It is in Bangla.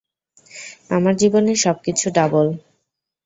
আমার জীবনে সবকিছু ডাবল।